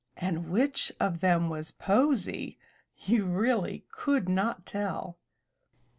And which of them was posy. You really could not tell.